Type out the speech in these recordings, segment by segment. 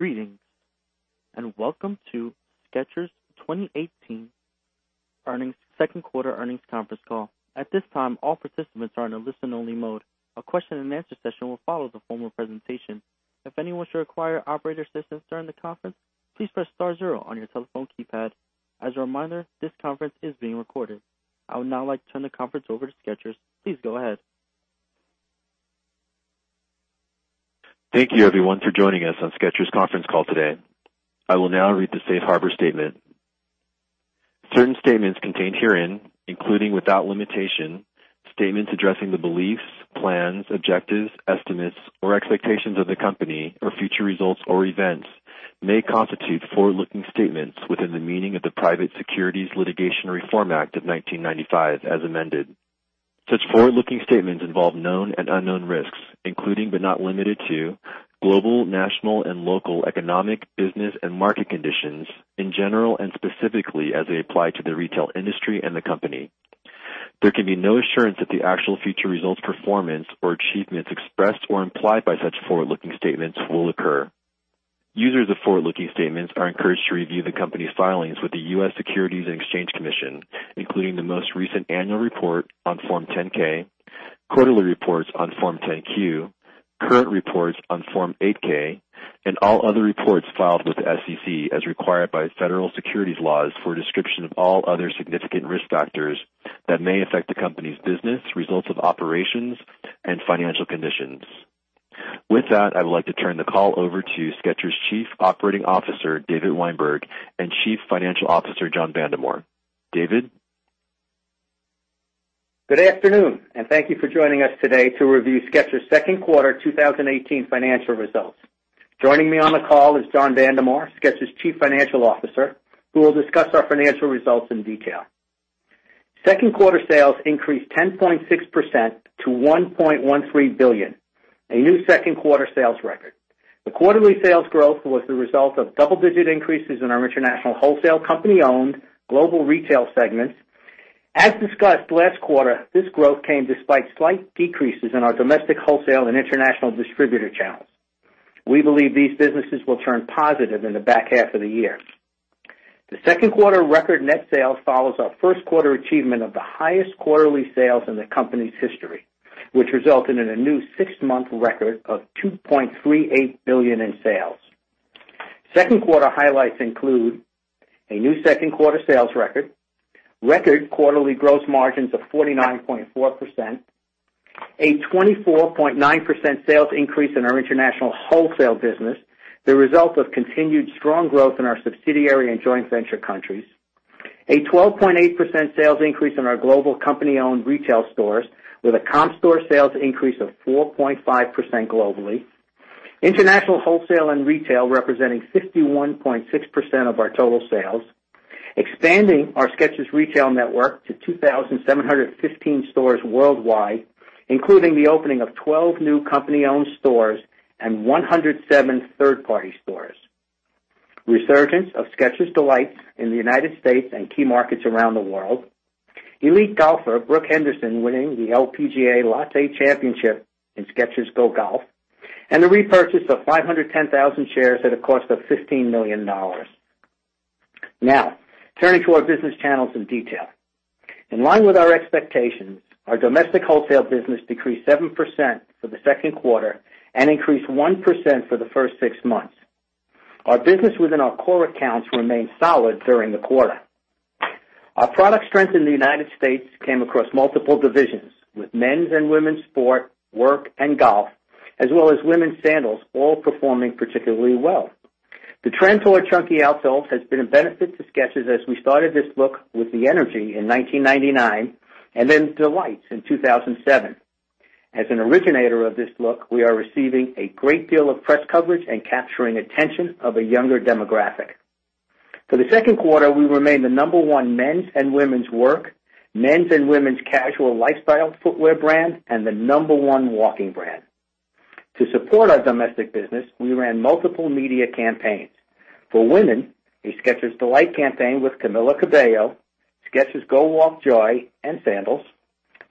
Greetings, welcome to Skechers' 2018 second quarter earnings conference call. At this time, all participants are in a listen-only mode. A question and answer session will follow the formal presentation. If anyone should require operator assistance during the conference, please press star zero on your telephone keypad. As a reminder, this conference is being recorded. I would now like to turn the conference over to Skechers. Please go ahead. Thank you, everyone, for joining us on Skechers' conference call today. I will now read the safe harbor statement. Certain statements contained herein, including, without limitation, statements addressing the beliefs, plans, objectives, estimates, or expectations of the company or future results or events may constitute forward-looking statements within the meaning of the Private Securities Litigation Reform Act of 1995 as amended. Such forward-looking statements involve known and unknown risks, including but not limited to global, national, and local economic, business, and market conditions in general and specifically as they apply to the retail industry and the company. There can be no assurance that the actual future results, performance, or achievements expressed or implied by such forward-looking statements will occur. Users of forward-looking statements are encouraged to review the company's filings with the U.S. Securities and Exchange Commission, including the most recent annual report on Form 10-K, quarterly reports on Form 10-Q, current reports on Form 8-K, and all other reports filed with the SEC as required by federal securities laws for a description of all other significant risk factors that may affect the company's business, results of operations, and financial conditions. With that, I would like to turn the call over to Skechers' Chief Operating Officer, David Weinberg, and Chief Financial Officer, John Vandemore. David? Good afternoon, thank you for joining us today to review Skechers' second quarter 2018 financial results. Joining me on the call is John Vandemore, Skechers' Chief Financial Officer, who will discuss our financial results in detail. Second quarter sales increased 10.6% to $1.13 billion, a new second quarter sales record. The quarterly sales growth was the result of double-digit increases in our international wholesale company-owned global retail segments. As discussed last quarter, this growth came despite slight decreases in our domestic wholesale and international distributor channels. We believe these businesses will turn positive in the back half of the year. The second quarter record net sales follows our first quarter achievement of the highest quarterly sales in the company's history, which resulted in a new six-month record of $2.38 billion in sales. Second quarter highlights include a new second quarter sales record quarterly gross margins of 49.4%, a 24.9% sales increase in our international wholesale business, the result of continued strong growth in our subsidiary and joint venture countries, a 12.8% sales increase in our global company-owned retail stores with a comp store sales increase of 4.5% globally. International wholesale and retail representing 51.6% of our total sales. Expanding our Skechers retail network to 2,715 stores worldwide, including the opening of 12 new company-owned stores and 107 third-party stores. Resurgence of Skechers D'Lites in the United States and key markets around the world. Elite golfer Brooke Henderson winning the LPGA Lotte Championship in Skechers GO GOLF, and the repurchase of 510,000 shares at a cost of $15 million. Turning to our business channels in detail. In line with our expectations, our domestic wholesale business decreased 7% for the second quarter and increased 1% for the first six months. Our business within our core accounts remained solid during the quarter. Our product strength in the United States came across multiple divisions, with men's and women's sport, work, and golf, as well as women's sandals, all performing particularly well. The trend toward chunky outsoles has been a benefit to Skechers as we started this look with the Energy in 1999 and then D'Lites in 2007. As an originator of this look, we are receiving a great deal of press coverage and capturing attention of a younger demographic. For the second quarter, we remained the number one men's and women's work, men's and women's casual lifestyle footwear brand, and the number one walking brand. To support our domestic business, we ran multiple media campaigns. For women, a Skechers D'Lites campaign with Camila Cabello, Skechers GO WALK Joy, and Sandals.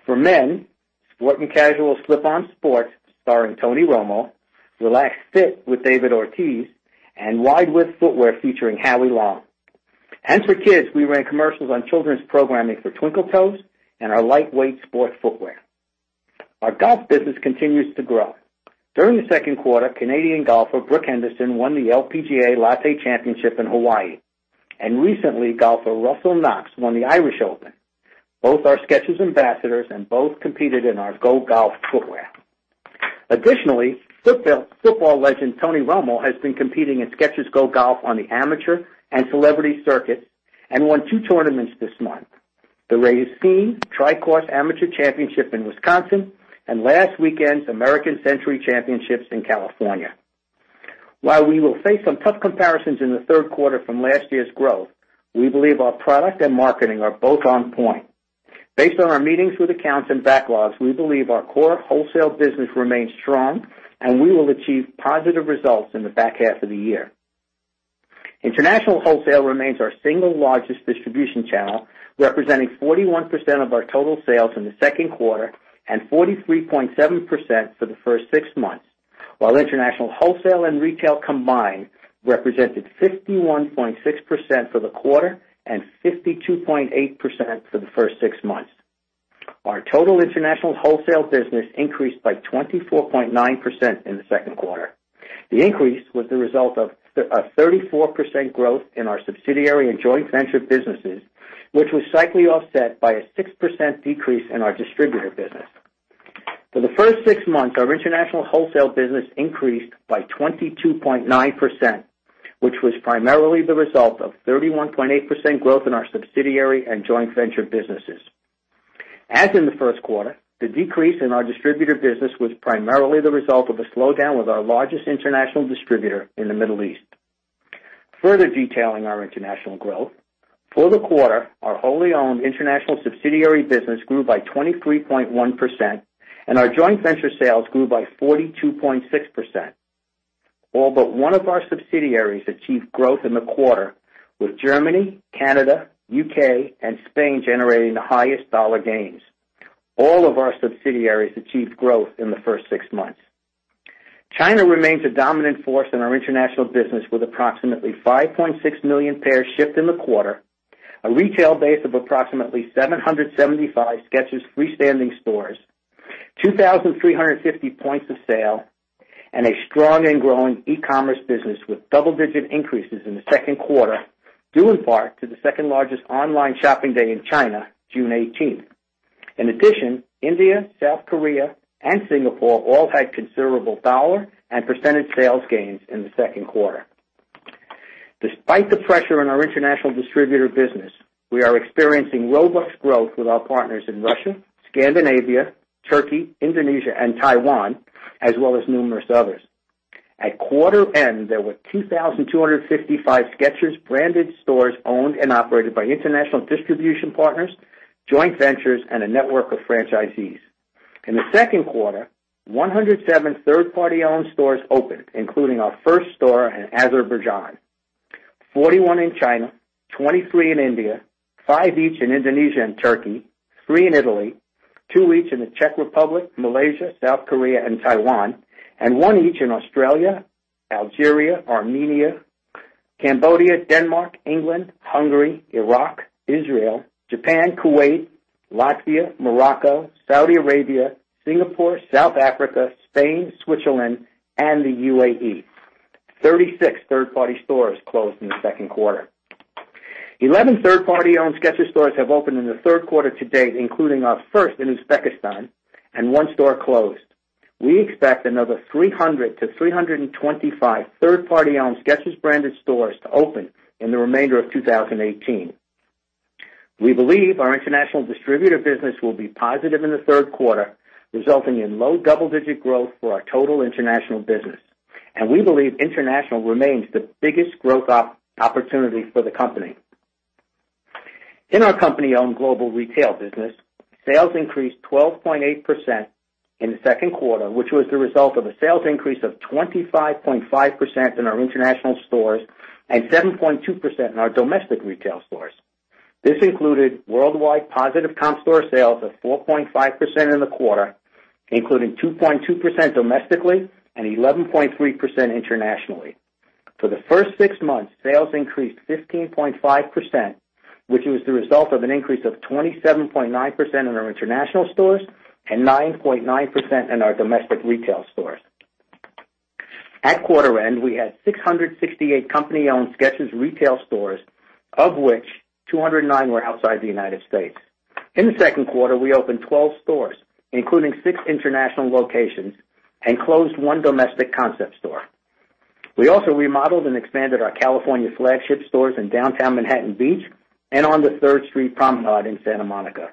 For men, Sport and Casual Slip-On Sport starring Tony Romo, Relaxed Fit with David Ortiz, and wide width footwear featuring Howie Long. For kids, we ran commercials on children's programming for Twinkle Toes and our lightweight sport footwear. Our golf business continues to grow. During the second quarter, Canadian golfer Brooke Henderson won the LPGA Lotte Championship in Hawaii, and recently, golfer Russell Knox won the Irish Open. Both are Skechers ambassadors, and both competed in our GO GOLF footwear. Additionally, football legend Tony Romo has been competing in Skechers GO GOLF on the amateur and celebrity circuit and won two tournaments this month, the Racine Tri-Course Amateur Championship in Wisconsin, and last weekend's American Century Championship in California. We will face some tough comparisons in the third quarter from last year's growth, we believe our product and marketing are both on point. Based on our meetings with accounts and backlogs, we believe our core wholesale business remains strong, and we will achieve positive results in the back half of the year. International wholesale remains our single largest distribution channel, representing 41% of our total sales in the second quarter and 43.7% for the first six months. International wholesale and retail combined represented 51.6% for the quarter and 52.8% for the first six months. Our total international wholesale business increased by 24.9% in the second quarter. The increase was the result of a 34% growth in our subsidiary and joint venture businesses, which was cyclically offset by a 6% decrease in our distributor business. For the first six months, our international wholesale business increased by 22.9%, which was primarily the result of 31.8% growth in our subsidiary and joint venture businesses. As in the first quarter, the decrease in our distributor business was primarily the result of a slowdown with our largest international distributor in the Middle East. Further detailing our international growth, for the quarter, our wholly owned international subsidiary business grew by 23.1%, and our joint venture sales grew by 42.6%. All but one of our subsidiaries achieved growth in the quarter, with Germany, Canada, U.K., and Spain generating the highest dollar gains. All of our subsidiaries achieved growth in the first six months. China remains a dominant force in our international business, with approximately 5.6 million pairs shipped in the quarter, a retail base of approximately 775 Skechers freestanding stores, 2,350 points of sale, and a strong and growing e-commerce business with double-digit increases in the second quarter, due in part to the second-largest online shopping day in China, June 18th. In addition, India, South Korea, and Singapore all had considerable dollar and percentage sales gains in the second quarter. Despite the pressure on our international distributor business, we are experiencing robust growth with our partners in Russia, Scandinavia, Turkey, Indonesia, and Taiwan, as well as numerous others. At quarter end, there were 2,255 Skechers branded stores owned and operated by international distribution partners, joint ventures, and a network of franchisees. In the second quarter, 107 third-party owned stores opened, including our first store in Azerbaijan. 41 in China, 23 in India, five each in Indonesia and Turkey, three in Italy, two each in the Czech Republic, Malaysia, South Korea, and Taiwan, and one each in Australia, Algeria, Armenia, Cambodia, Denmark, England, Hungary, Iraq, Israel, Japan, Kuwait, Latvia, Morocco, Saudi Arabia, Singapore, South Africa, Spain, Switzerland, and the U.A.E. 36 third-party stores closed in the second quarter. 11 third-party owned Skechers stores have opened in the third quarter to date, including our first in Uzbekistan, and one store closed. We expect another 300 to 325 third-party owned Skechers branded stores to open in the remainder of 2018. We believe our international distributor business will be positive in the third quarter, resulting in low double-digit growth for our total international business. We believe international remains the biggest growth opportunity for the company. In our company-owned global retail business, sales increased 12.8% in the second quarter, which was the result of a sales increase of 25.5% in our international stores and 7.2% in our domestic retail stores. This included worldwide positive comp store sales of 4.5% in the quarter, including 2.2% domestically and 11.3% internationally. For the first six months, sales increased 15.5%, which was the result of an increase of 27.9% in our international stores and 9.9% in our domestic retail stores. At quarter end, we had 668 company-owned Skechers retail stores, of which 209 were outside the United States. In the second quarter, we opened 12 stores, including six international locations, and closed one domestic concept store. We also remodeled and expanded our California flagship stores in downtown Manhattan Beach and on the Third Street Promenade in Santa Monica.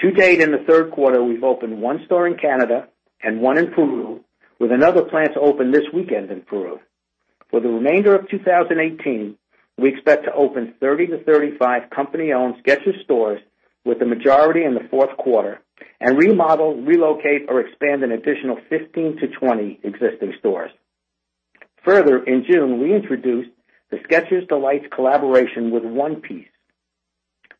To date, in the third quarter, we've opened one store in Canada and one in Peru, with another planned to open this weekend in Peru. For the remainder of 2018, we expect to open 30 to 35 company-owned Skechers stores, with the majority in the fourth quarter, and remodel, relocate, or expand an additional 15 to 20 existing stores. Further, in June, we introduced the Skechers D'Lites collaboration with "One Piece,"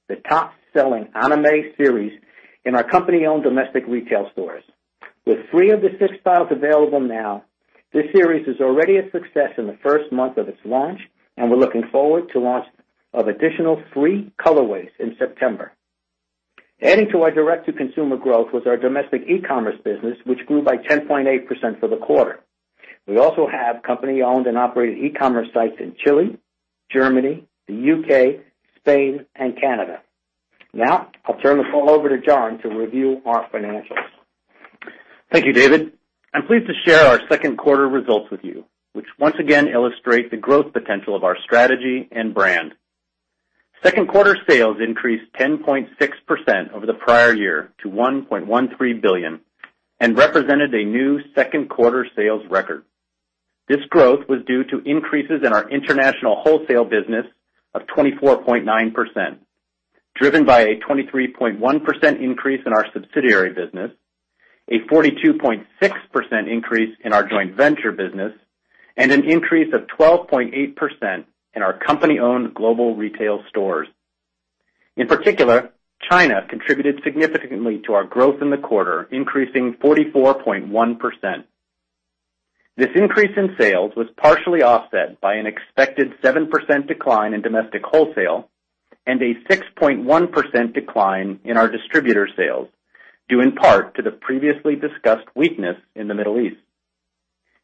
the top-selling anime series in our company-owned domestic retail stores. With three of the six styles available now, this series is already a success in the first month of its launch, and we're looking forward to the launch of an additional three colorways in September. Adding to our direct-to-consumer growth was our domestic e-commerce business, which grew by 10.8% for the quarter. We also have company owned and operated e-commerce sites in Chile, Germany, the U.K., Spain, and Canada. I'll turn the call over to John to review our financials. Thank you, David. I'm pleased to share our second quarter results with you, which once again illustrate the growth potential of our strategy and brand. Second quarter sales increased 10.6% over the prior year to $1.13 billion and represented a new second quarter sales record. This growth was due to increases in our international wholesale business of 24.9%. Driven by a 23.1% increase in our subsidiary business, a 42.6% increase in our joint venture business, and an increase of 12.8% in our company-owned global retail stores. In particular, China contributed significantly to our growth in the quarter, increasing 44.1%. This increase in sales was partially offset by an expected 7% decline in domestic wholesale and a 6.1% decline in our distributor sales, due in part to the previously discussed weakness in the Middle East.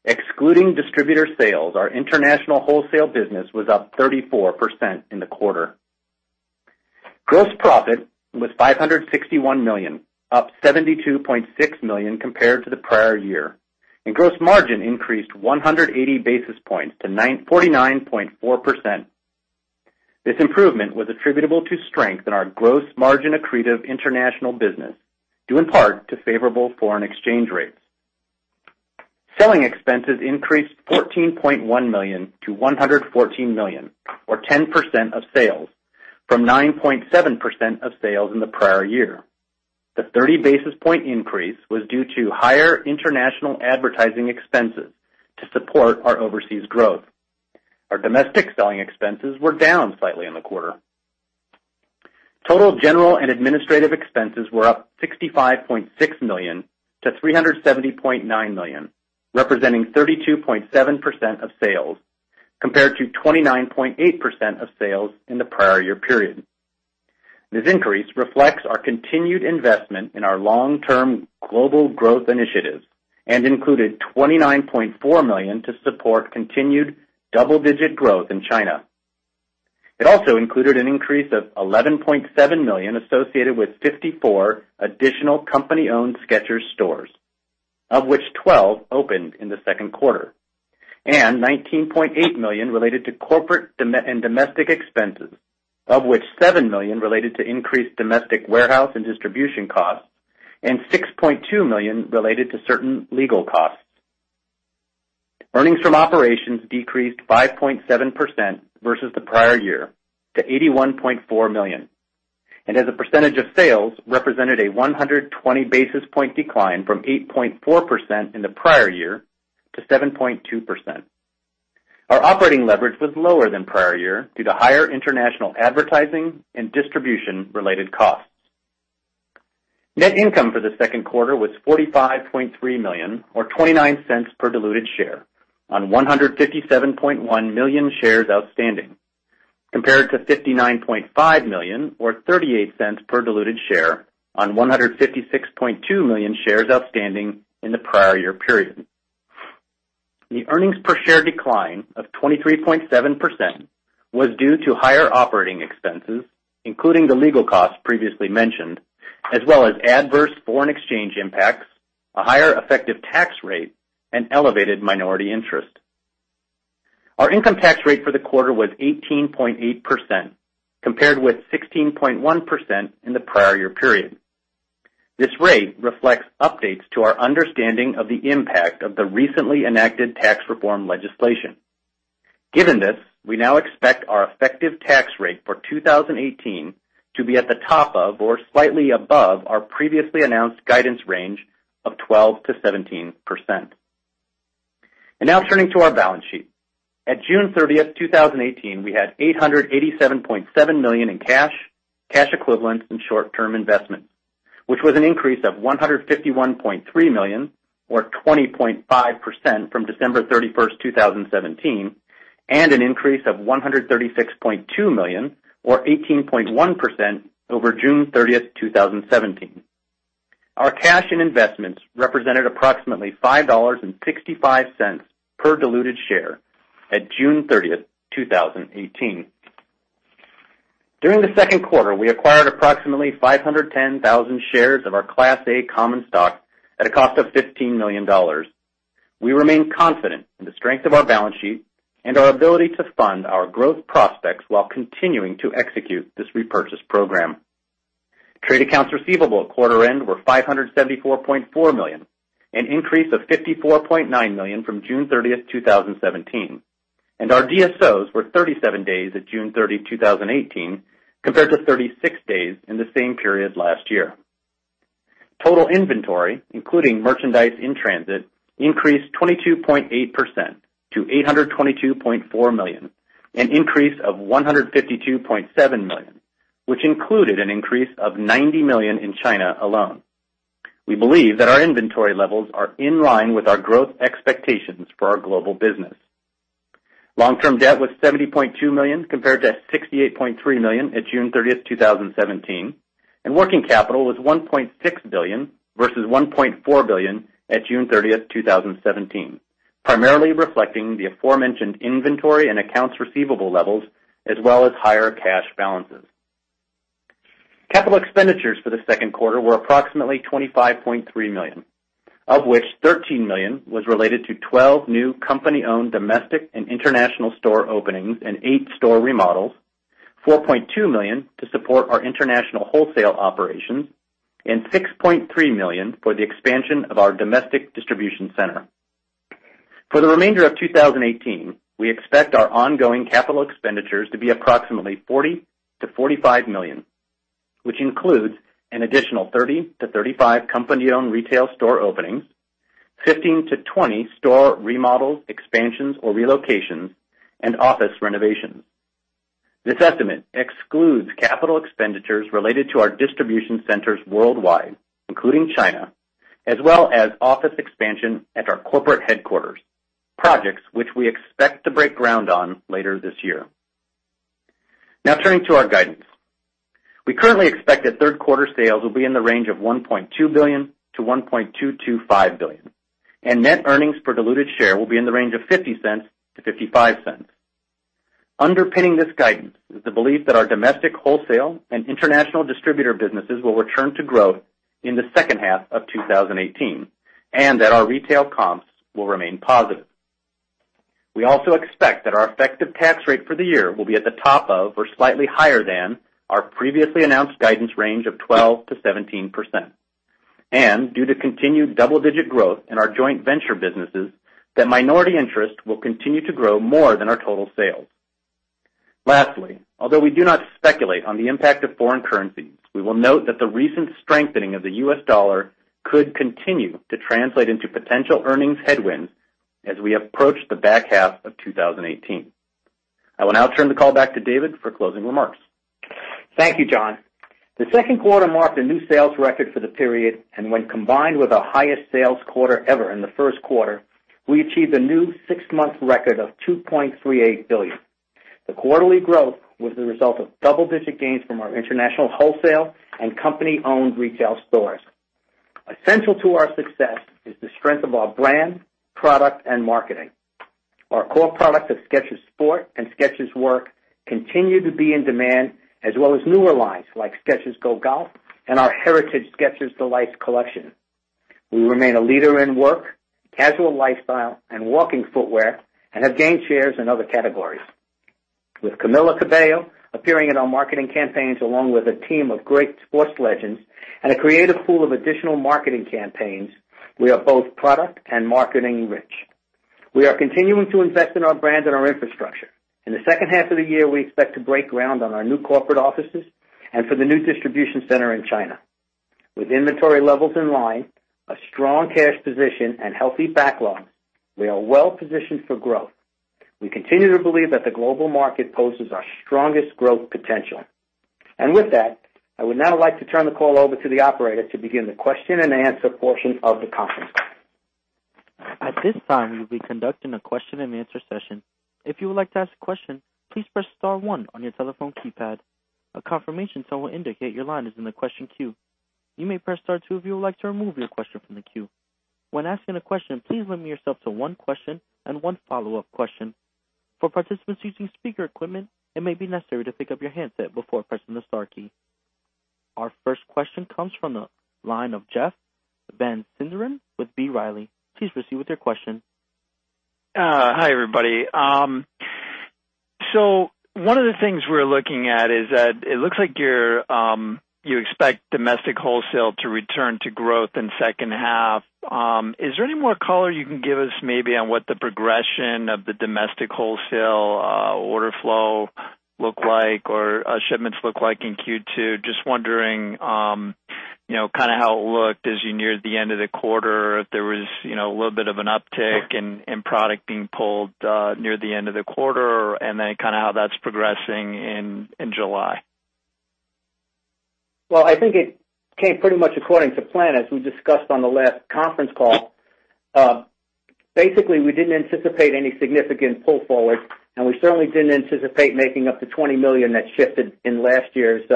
Excluding distributor sales, our international wholesale business was up 34% in the quarter. Gross profit was $561 million, up $72.6 million compared to the prior year. Gross margin increased 180 basis points to 49.4%. This improvement was attributable to strength in our gross margin accretive international business, due in part to favorable foreign exchange rates. Selling expenses increased $14.1 million to $114 million, or 10% of sales, from 9.7% of sales in the prior year. The 30 basis point increase was due to higher international advertising expenses to support our overseas growth. Our domestic selling expenses were down slightly in the quarter. Total general and administrative expenses were up $65.6 million to $370.9 million, representing 32.7% of sales, compared to 29.8% of sales in the prior year period. This increase reflects our continued investment in our long-term global growth initiatives and included $29.4 million to support continued double-digit growth in China. It also included an increase of $11.7 million associated with 54 additional company-owned Skechers stores, of which 12 opened in the second quarter, and $19.8 million related to corporate and domestic expenses, of which $7 million related to increased domestic warehouse and distribution costs and $6.2 million related to certain legal costs. Earnings from operations decreased 5.7% versus the prior year to $81.4 million, and as a percentage of sales, represented a 120 basis point decline from 8.4% in the prior year to 7.2%. Our operating leverage was lower than prior year due to higher international advertising and distribution-related costs. Net income for the second quarter was $45.3 million, or $0.29 per diluted share, on 157.1 million shares outstanding, compared to $59.5 million or $0.38 per diluted share on 156.2 million shares outstanding in the prior year period. The earnings per share decline of 23.7% was due to higher operating expenses, including the legal costs previously mentioned, as well as adverse foreign exchange impacts, a higher effective tax rate, and elevated minority interest. Our income tax rate for the quarter was 18.8%, compared with 16.1% in the prior year period. This rate reflects updates to our understanding of the impact of the recently enacted tax reform legislation. Given this, we now expect our effective tax rate for 2018 to be at the top of or slightly above our previously announced guidance range of 12%-17%. Now turning to our balance sheet. At June 30th, 2018, we had $887.7 million in cash equivalents, and short-term investments, which was an increase of $151.3 million, or 20.5% from December 31st, 2017, and an increase of $136.2 million, or 18.1% over June 30th, 2017. Our cash and investments represented approximately $5.65 per diluted share at June 30th, 2018. During the second quarter, we acquired approximately 510,000 shares of our Class A common stock at a cost of $15 million. We remain confident in the strength of our balance sheet and our ability to fund our growth prospects while continuing to execute this repurchase program. Trade accounts receivable at quarter-end were $574.4 million, an increase of $54.9 million from June 30th, 2017. Our DSO were 37 days at June 30th, 2018, compared to 36 days in the same period last year. Total inventory, including merchandise in transit, increased 22.8% to $822.4 million, an increase of $152.7 million, which included an increase of $90 million in China alone. We believe that our inventory levels are in line with our growth expectations for our global business. Long-term debt was $70.2 million, compared to $68.3 million at June 30th, 2017. Working capital was $1.6 billion, versus $1.4 billion at June 30th, 2017, primarily reflecting the aforementioned inventory and accounts receivable levels, as well as higher cash balances. Capital expenditures for the second quarter were approximately $25.3 million, of which $13 million was related to 12 new company-owned domestic and international store openings and eight store remodels, $4.2 million to support our international wholesale operations, and $6.3 million for the expansion of our domestic distribution center. For the remainder of 2018, we expect our ongoing capital expenditures to be approximately $40 million-$45 million, which includes an additional 30-35 company-owned retail store openings, 15-20 store remodels, expansions, or relocations, and office renovations. This estimate excludes capital expenditures related to our distribution centers worldwide, including China, as well as office expansion at our corporate headquarters, projects which we expect to break ground on later this year. Turning to our guidance. We currently expect that third quarter sales will be in the range of $1.2 billion to $1.225 billion, and net earnings per diluted share will be in the range of $0.50 to $0.55. Underpinning this guidance is the belief that our domestic wholesale and international distributor businesses will return to growth in the second half of 2018, and that our retail comps will remain positive. We also expect that our effective tax rate for the year will be at the top of, or slightly higher than, our previously announced guidance range of 12%-17%. Due to continued double-digit growth in our joint venture businesses, that minority interest will continue to grow more than our total sales. Lastly, although we do not speculate on the impact of foreign currencies, we will note that the recent strengthening of the U.S. dollar could continue to translate into potential earnings headwinds as we approach the back half of 2018. I will now turn the call back to David for closing remarks. Thank you, John. The second quarter marked a new sales record for the period, and when combined with the highest sales quarter ever in the first quarter, we achieved a new six-month record of $2.38 billion. The quarterly growth was the result of double-digit gains from our international wholesale and company-owned retail stores. Essential to our success is the strength of our brand, product, and marketing. Our core products at Skechers Sport and Skechers Work continue to be in demand, as well as newer lines like Skechers GO GOLF and our heritage Skechers D'Lites collection. We remain a leader in work, casual lifestyle, and walking footwear, and have gained shares in other categories. With Camila Cabello appearing in our marketing campaigns, along with a team of great sports legends, and a creative pool of additional marketing campaigns, we are both product and marketing rich. We are continuing to invest in our brand and our infrastructure. In the second half of the year, we expect to break ground on our new corporate offices and for the new distribution center in China. With inventory levels in line, a strong cash position, and healthy backlog, we are well positioned for growth. We continue to believe that the global market poses our strongest growth potential. With that, I would now like to turn the call over to the operator to begin the question and answer portion of the conference call. At this time, we'll be conducting a question and answer session. If you would like to ask a question, please press star one on your telephone keypad. A confirmation tone will indicate your line is in the question queue. You may press star two if you would like to remove your question from the queue. When asking a question, please limit yourself to one question and one follow-up question. For participants using speaker equipment, it may be necessary to pick up your handset before pressing the star key. Our first question comes from the line of Jeff Van Sinderen with B. Riley. Please proceed with your question. Hi, everybody. One of the things we're looking at is that it looks like you expect domestic wholesale to return to growth in second half. Is there any more color you can give us maybe on what the progression of the domestic wholesale order flow look like or shipments look like in Q2? Just wondering kind of how it looked as you neared the end of the quarter, if there was a little bit of an uptick in product being pulled near the end of the quarter, and then kind of how that's progressing in July. Well, I think it came pretty much according to plan, as we discussed on the last conference call. Basically, we didn't anticipate any significant pull forward, and we certainly didn't anticipate making up the $20 million that shifted in last year's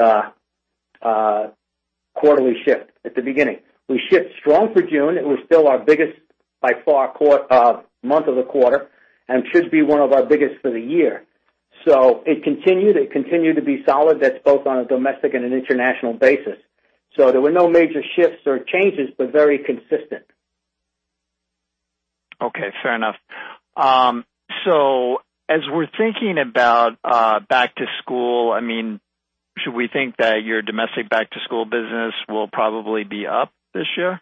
quarterly shift at the beginning. We shipped strong for June. It was still our biggest, by far, month of the quarter, and should be one of our biggest for the year. It continued. It continued to be solid. That's both on a domestic and an international basis. There were no major shifts or changes, but very consistent. Okay, fair enough. As we're thinking about back-to-school, should we think that your domestic back-to-school business will probably be up this year?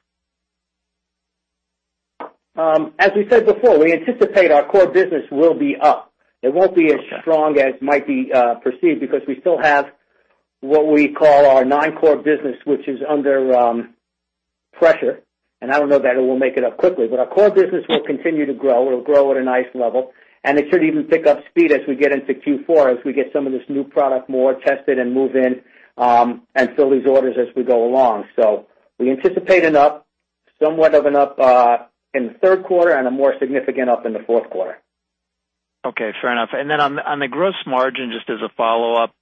As we said before, we anticipate our core business will be up. It won't be as strong as might be perceived because we still have what we call our non-core business, which is under pressure. I don't know that it will make it up quickly, but our core business will continue to grow. It'll grow at a nice level, and it should even pick up speed as we get into Q4, as we get some of this new product more tested and move in, and fill these orders as we go along. We anticipate an up, somewhat of an up in the third quarter and a more significant up in the fourth quarter. Okay, fair enough. Then on the gross margin, just as a follow-up,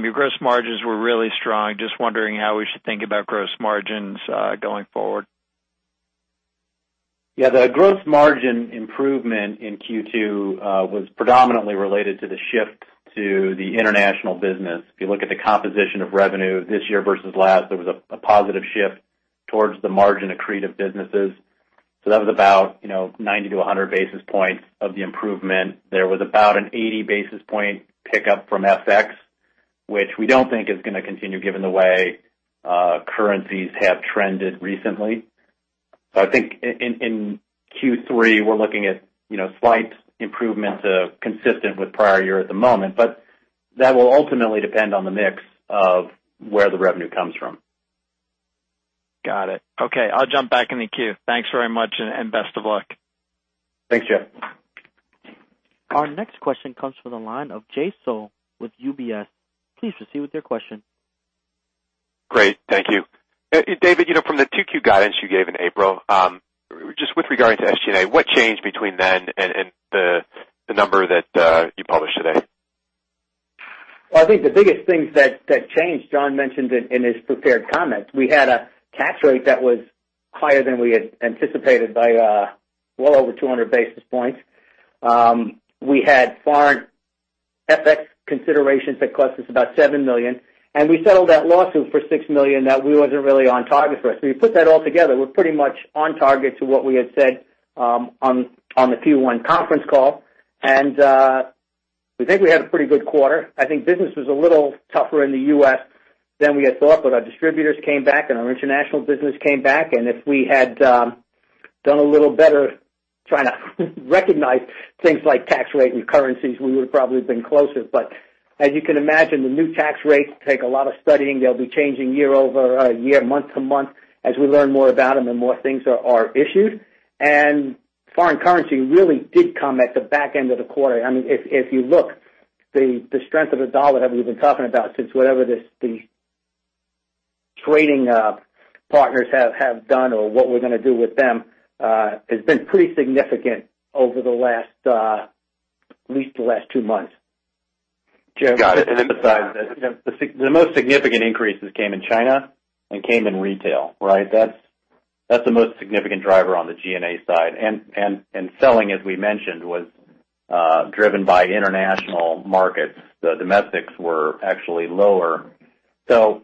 your gross margins were really strong. Just wondering how we should think about gross margins going forward. Yeah. The gross margin improvement in Q2 was predominantly related to the shift to the international business. If you look at the composition of revenue this year versus last, there was a positive shift towards the margin accretive businesses. That was about 90 to 100 basis points of the improvement. There was about an 80 basis point pickup from FX, which we don't think is going to continue given the way currencies have trended recently. I think in Q3, we're looking at slight improvements consistent with prior year at the moment, but that will ultimately depend on the mix of where the revenue comes from. Got it. Okay, I'll jump back in the queue. Thanks very much and best of luck. Thanks, Jeff. Our next question comes from the line of Jay Sole with UBS. Please proceed with your question. Great. Thank you. David, from the 2Q guidance you gave in April, just with regarding to SG&A, what changed between then and the number that you published today? Well, I think the biggest things that changed, John mentioned in his prepared comments, we had a tax rate that was higher than we had anticipated by well over 200 basis points. We had foreign FX considerations that cost us about $7 million, and we settled that lawsuit for $6 million that wasn't really on target for us. You put that all together, we're pretty much on target to what we had said on the Q1 conference call, and we think we had a pretty good quarter. I think business was a little tougher in the U.S. than we had thought, but our distributors came back and our international business came back, and if we had done a little better trying to recognize things like tax rates and currencies, we would have probably been closer. As you can imagine, the new tax rates take a lot of studying. They'll be changing year-over-year, month-to-month, as we learn more about them and more things are issued. Foreign currency really did come at the back end of the quarter. If you look, the strength of the dollar that we've been talking about since whatever the trading partners have done or what we're going to do with them, has been pretty significant over at least the last two months. Got it. To emphasize this, the most significant increases came in China and came in retail. That's the most significant driver on the G&A side. Selling, as we mentioned, was driven by international markets. The domestics were actually lower. The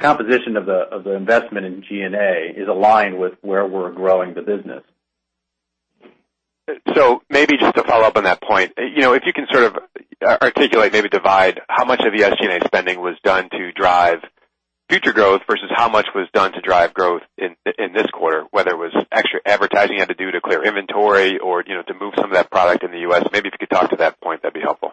composition of the investment in G&A is aligned with where we're growing the business. Maybe just to follow up on that point. If you can sort of articulate, maybe divide how much of the SG&A spending was done to drive future growth versus how much was done to drive growth in this quarter, whether it was extra advertising you had to do to clear inventory or to move some of that product in the U.S. Maybe if you could talk to that point, that'd be helpful.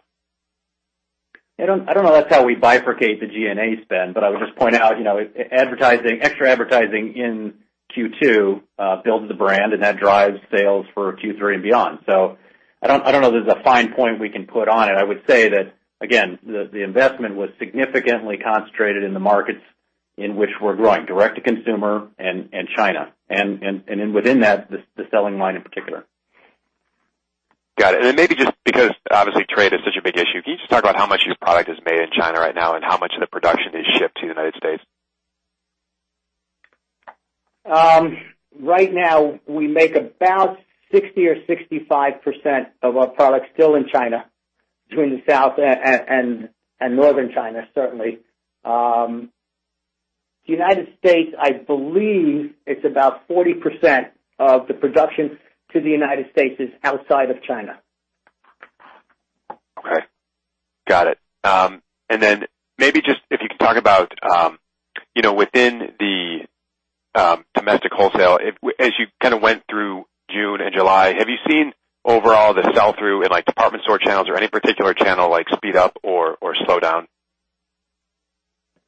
I don't know if that's how we bifurcate the G&A spend, but I would just point out, extra advertising in Q2 builds the brand and that drives sales for Q3 and beyond. I don't know if there's a fine point we can put on it. I would say that, again, the investment was significantly concentrated in the markets in which we're growing, direct to consumer and China. Within that, the selling line in particular. Got it. Maybe just because obviously trade is such a big issue, can you just talk about how much of your product is made in China right now and how much of the production is shipped to the United States? Right now, we make about 60% or 65% of our products still in China, between the South and Northern China, certainly. The United States, I believe it's about 40% of the production to the United States is outside of China. Okay. Got it. Maybe just if you could talk about within the domestic wholesale, as you kind of went through June and July, have you seen overall the sell-through in department store channels or any particular channel speed up or slow down?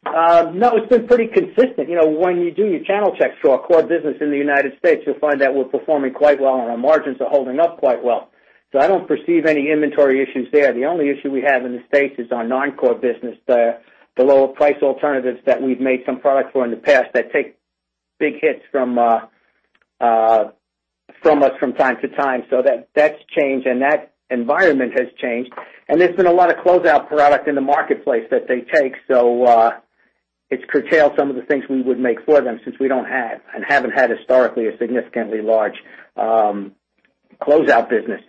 No, it's been pretty consistent. When you do your channel checks for our core business in the U.S., you'll find that we're performing quite well and our margins are holding up quite well. I don't perceive any inventory issues there. The only issue we have in the U.S. is our non-core business there, the lower price alternatives that we've made some products for in the past that take big hits from us from time to time. That's changed, and that environment has changed. There's been a lot of closeout product in the marketplace that they take, so it's curtailed some of the things we would make for them since we don't have and haven't had historically a significantly large closeout business.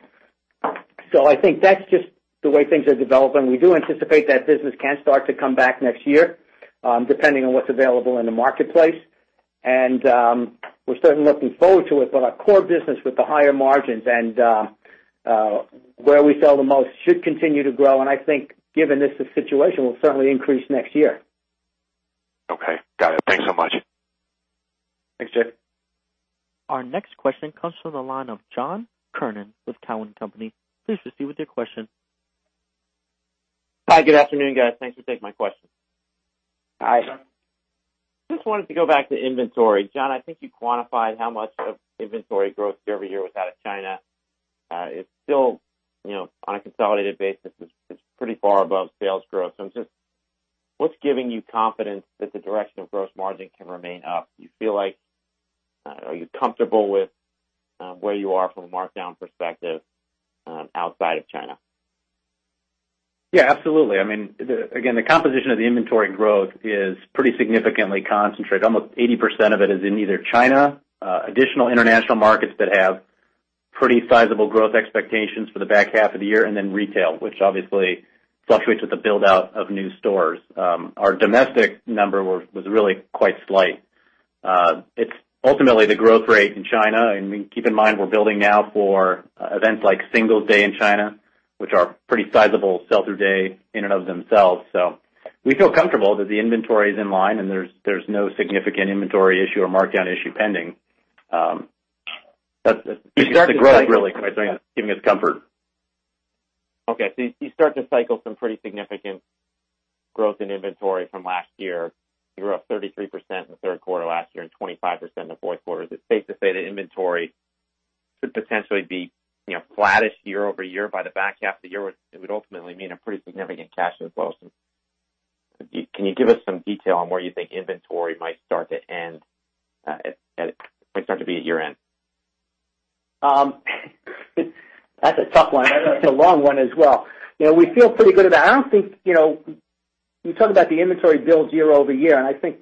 I think that's just the way things are developing. We do anticipate that business can start to come back next year, depending on what's available in the marketplace. We're certainly looking forward to it. Our core business with the higher margins and where we sell the most should continue to grow, and I think given the situation, will certainly increase next year. Okay. Got it. Thanks so much. Thanks, Jay. Our next question comes from the line of John Kernan with Cowen and Company. Please proceed with your question. Hi, good afternoon, guys. Thanks for taking my question. Hi. Just wanted to go back to inventory. John, I think you quantified how much of inventory growth year-over-year was out of China. It is still, on a consolidated basis, is pretty far above sales growth. Just what is giving you confidence that the direction of gross margin can remain up? Are you comfortable with where you are from a markdown perspective outside of China? Yeah, absolutely. Again, the composition of the inventory growth is pretty significantly concentrated. Almost 80% of it is in either China, additional international markets that have pretty sizable growth expectations for the back half of the year, and then retail, which obviously fluctuates with the build-out of new stores. Our domestic number was really quite slight. It's ultimately the growth rate in China. Keep in mind, we're building now for events like Singles' Day in China, which are pretty sizable sell-through day in and of themselves. We feel comfortable that the inventory is in line and there's no significant inventory issue or markdown issue pending. It's the growth really, I'm sorry, giving us comfort. Okay. You start to cycle some pretty significant growth in inventory from last year. You were up 33% in the third quarter last year and 25% in the fourth quarter. Is it safe to say that inventory could potentially be flattish year-over-year by the back half of the year? It would ultimately mean a pretty significant cash outflow. Can you give us some detail on where you think inventory might start to be at year-end? That's a tough one. That's a long one as well. We feel pretty good about it. You talk about the inventory builds year-over-year, I think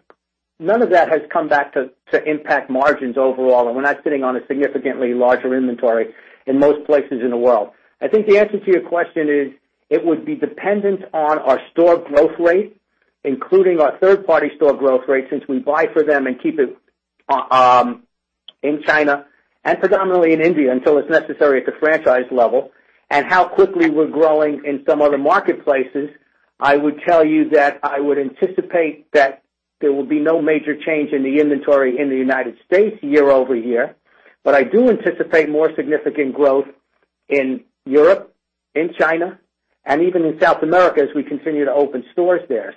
none of that has come back to impact margins overall, we're not sitting on a significantly larger inventory in most places in the world. I think the answer to your question is it would be dependent on our store growth rate, including our third-party store growth rate, since we buy for them and keep it in China and predominantly in India until it's necessary at the franchise level, how quickly we're growing in some other marketplaces. I would tell you that I would anticipate that there will be no major change in the inventory in the United States year-over-year. I do anticipate more significant growth in Europe, in China, and even in South America as we continue to open stores there.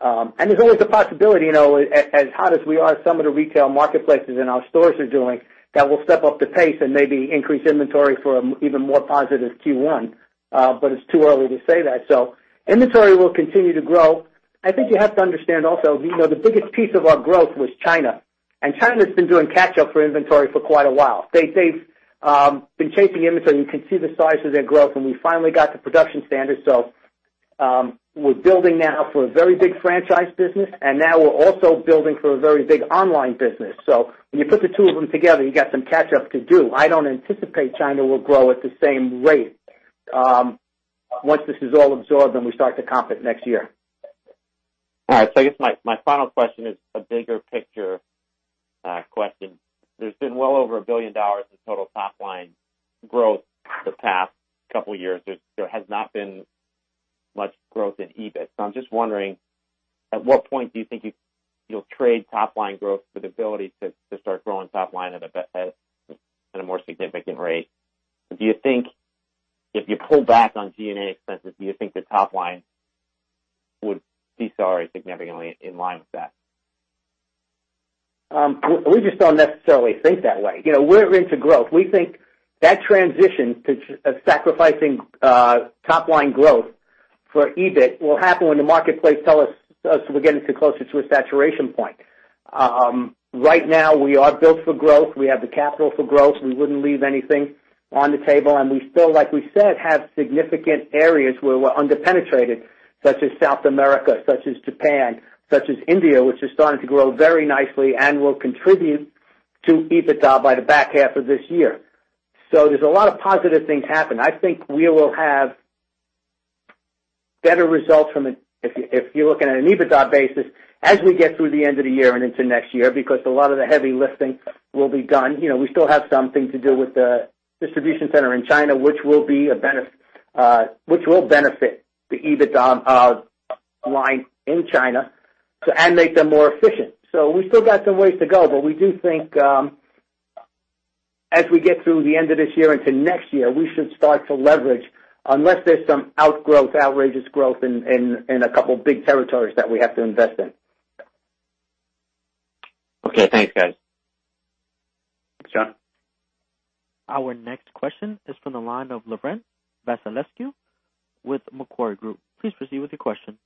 There's always a possibility, as hot as we are, some of the retail marketplaces and our stores are doing, that we'll step up the pace and maybe increase inventory for an even more positive Q1. It's too early to say that. Inventory will continue to grow. I think you have to understand also, the biggest piece of our growth was China's been doing catch-up for inventory for quite a while. They've been chasing inventory. You can see the size of their growth, we finally got to production standards. We're building now for a very big franchise business, now we're also building for a very big online business. When you put the two of them together, you got some catch up to do. I don't anticipate China will grow at the same rate once this is all absorbed and we start to comp it next year. All right. I guess my final question is a bigger picture question. There's been well over $1 billion in total top line growth the past couple of years. There has not been much growth in EBIT. I'm just wondering, at what point do you think you'll trade top line growth for the ability to start growing top line at a more significant rate? If you pull back on G&A expenses, do you think the top line would be significantly in line with that? We just don't necessarily think that way. We're into growth. We think that transition to sacrificing top line growth for EBIT will happen when the marketplace tell us we're getting to closer to a saturation point. Right now, we are built for growth. We have the capital for growth. We wouldn't leave anything on the table. We still, like we said, have significant areas where we're under-penetrated, such as South America, such as Japan, such as India, which is starting to grow very nicely and will contribute to EBITDA by the back half of this year. There's a lot of positive things happening. I think we will have better results, if you're looking at an EBITDA basis, as we get through the end of the year and into next year because a lot of the heavy lifting will be done. We still have something to do with the distribution center in China, which will benefit the EBITDA line in China and make them more efficient. We still got some ways to go, but we do think as we get through the end of this year into next year, we should start to leverage, unless there's some outgrowth, outrageous growth in a couple of big territories that we have to invest in. Okay. Thanks, guys. Thanks, John. Our next question is from the line of Laurent Vasilescu with Macquarie Group. Please proceed with your question.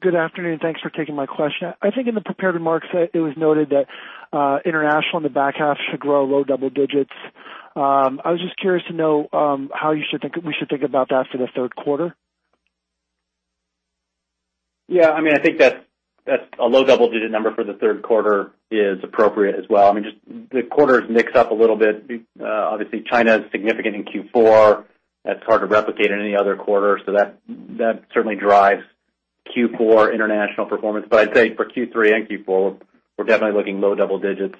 Good afternoon. Thanks for taking my question. I think in the prepared remarks, it was noted that international in the back half should grow low double digits. I was just curious to know how we should think about that for the third quarter. I think that a low double-digit number for the third quarter is appropriate as well. I mean, just the quarter is mixed up a little bit. Obviously, China is significant in Q4. That's hard to replicate in any other quarter. That certainly drives Q4 international performance. I'd say for Q3 and Q4, we're definitely looking low double digits.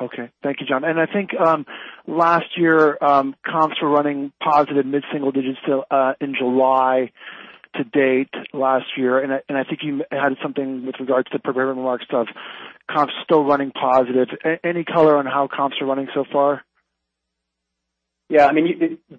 Okay. Thank you, John. I think last year, comps were running positive mid-single digits in July to date last year, and I think you added something with regards to prepared remarks of comps still running positive. Any color on how comps are running so far? Yeah.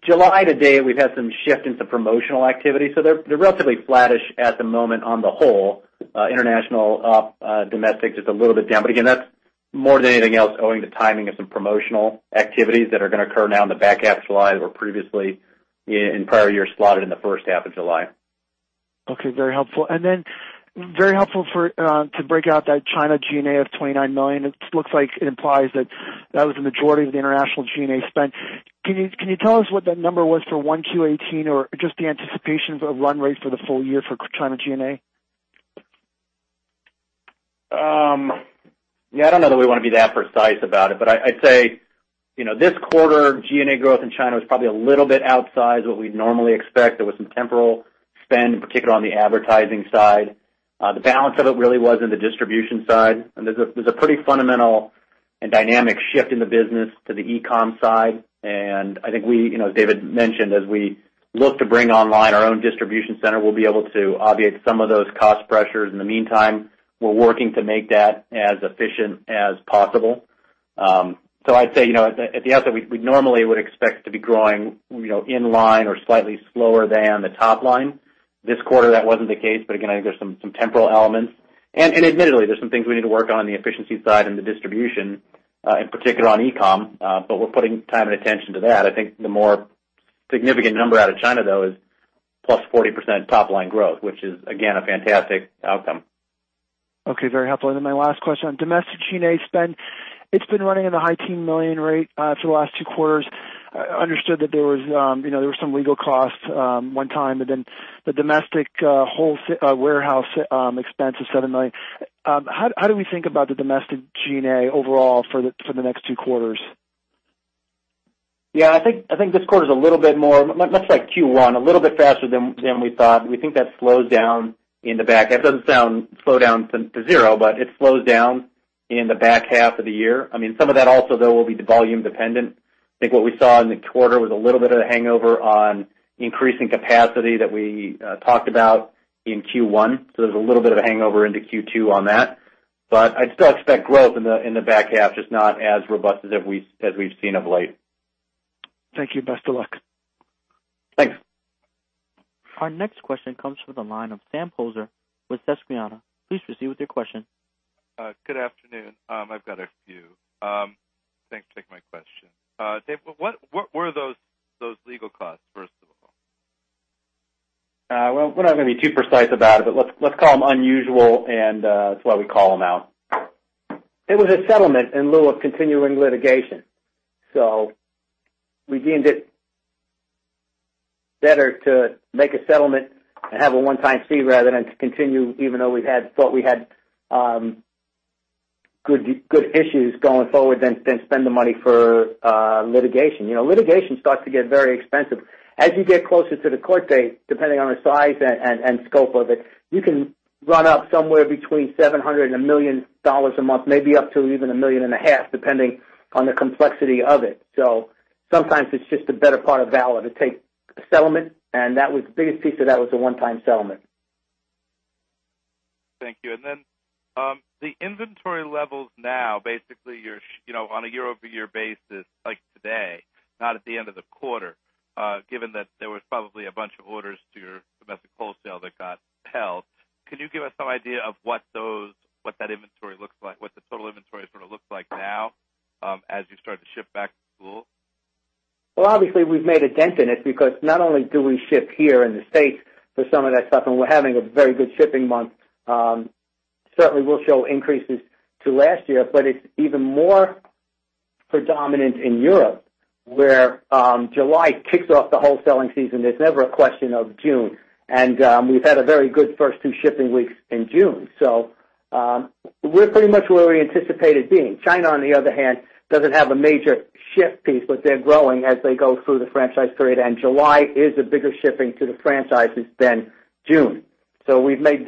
July to date, we've had some shift into promotional activity, they're relatively flattish at the moment on the whole. International, domestic, just a little bit down. Again, that's more than anything else owing to timing of some promotional activities that are going to occur now in the back half of July that were previously in prior years slotted in the first half of July. Okay. Very helpful. Very helpful to break out that China G&A of $29 million. It looks like it implies that that was the majority of the international G&A spend. Can you tell us what that number was for 1Q18 or just the anticipations of run rate for the full year for China G&A? Yeah, I don't know that we want to be that precise about it, but I'd say This quarter, G&A growth in China was probably a little bit outside what we'd normally expect. There was some temporal spend, in particular on the advertising side. The balance of it really was in the distribution side, there's a pretty fundamental and dynamic shift in the business to the e-com side. I think as David mentioned, as we look to bring online our own distribution center, we'll be able to obviate some of those cost pressures. In the meantime, we're working to make that as efficient as possible. I'd say, at the outset, we normally would expect to be growing inline or slightly slower than the top line. This quarter, that wasn't the case, again, I think there's some temporal elements. Admittedly, there's some things we need to work on the efficiency side and the distribution, in particular on e-com, we're putting time and attention to that. I think the more significant number out of China, though, is plus 40% top-line growth, which is, again, a fantastic outcome. Okay. Very helpful. My last question, domestic G&A spend. It's been running in the high teen million rate, for the last two quarters. I understood that there were some legal costs, one time, and the domestic warehouse expense of $7 million. How do we think about the domestic G&A overall for the next two quarters? I think this quarter is a little bit more, much like Q1, a little bit faster than we thought. We think that slows down in the back. That doesn't slow down to zero, but it slows down in the back half of the year. Some of that also, though, will be volume dependent. I think what we saw in the quarter was a little bit of the hangover on increasing capacity that we talked about in Q1. There's a little bit of a hangover into Q2 on that. I'd still expect growth in the back half, just not as robust as we've seen of late. Thank you. Best of luck. Thanks. Our next question comes from the line of Sam Poser with Suquehanna. Please proceed with your question. Good afternoon. I've got a few. Thanks for taking my question. Dave, what were those legal costs, first of all? We're not going to be too precise about it, but let's call them unusual, and that's why we call them out. It was a settlement in lieu of continuing litigation. We deemed it better to make a settlement and have a one-time fee rather than to continue, even though we thought we had good issues going forward than spend the money for litigation. Litigation starts to get very expensive. As you get closer to the court date, depending on the size and scope of it, you can run up somewhere between $700,000 and $1 million a month, maybe up to even $1.5 million, depending on the complexity of it. Sometimes it's just a better part of valor to take a settlement, and the biggest piece of that was the one-time settlement. Thank you. The inventory levels now, basically on a year-over-year basis, like today, not at the end of the quarter, given that there was probably a bunch of orders to your domestic wholesale that got held. Can you give us some idea of what that inventory looks like, what the total inventory sort of looks like now, as you start to ship back to school? Obviously, we've made a dent in it because not only do we ship here in the U.S. for some of that stuff, and we're having a very good shipping month. Certainly, we'll show increases to last year, but it's even more predominant in Europe, where July kicks off the whole selling season. It's never a question of June. We've had a very good first two shipping weeks in June. We're pretty much where we anticipated being. China, on the other hand, doesn't have a major ship piece, but they're growing as they go through the franchise period, and July is a bigger shipping to the franchises than June. We've made,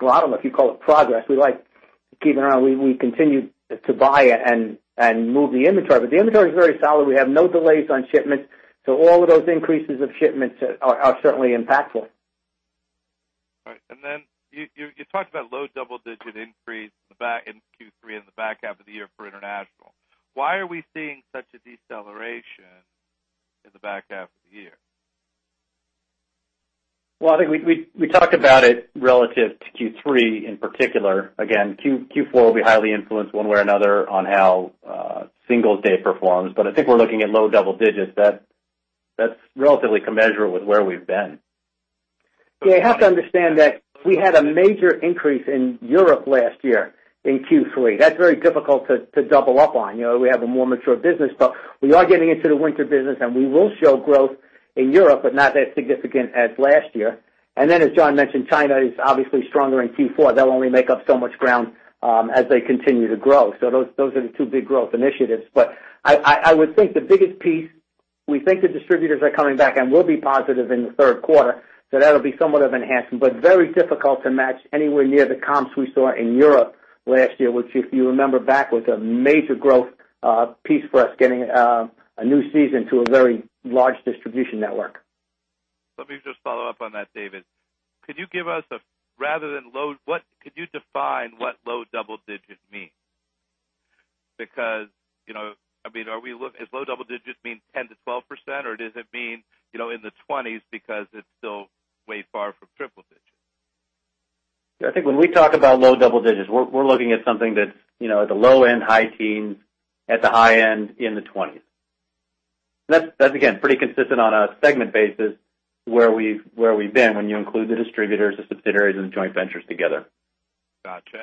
well, I don't know if you'd call it progress. We like to keep an eye on, we continue to buy and move the inventory. The inventory is very solid. We have no delays on shipments, so all of those increases of shipments are certainly impactful. All right. You talked about low double-digit increase in Q3 in the back half of the year for international. Why are we seeing such a deceleration in the back half of the year? Well, I think we talk about it relative to Q3 in particular. Again, Q4 will be highly influenced one way or another on how Singles' Day performs. I think we're looking at low double digits. That's relatively commensurate with where we've been. Yeah, you have to understand that we had a major increase in Europe last year in Q3. That's very difficult to double up on. We have a more mature business, but we are getting into the winter business, and we will show growth in Europe, but not as significant as last year. As John mentioned, China is obviously stronger in Q4. That will only make up so much ground as they continue to grow. Those are the two big growth initiatives. I would think the biggest piece, we think the distributors are coming back and will be positive in the third quarter. That'll be somewhat of an enhancement, but very difficult to match anywhere near the comps we saw in Europe last year, which if you remember back, was a major growth piece for us, getting a new season to a very large distribution network. Let me just follow up on that, David. Could you define what low double digits means? Does low double digits mean 10%-12%, or does it mean in the 20s because it's still way far from triple digits? I think when we talk about low double digits, we're looking at something that's at the low end, high teens, at the high end, in the 20s. That's, again, pretty consistent on a segment basis where we've been when you include the distributors, the subsidiaries, and the joint ventures together. Got you.